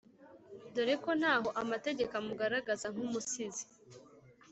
dore ko ntaho amateka amugaragaza nk’umusizi